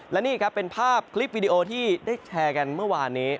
และนี่ครับเป็นภาพคลิปวิดีโอที่ได้แชร์กันเมื่อวานนี้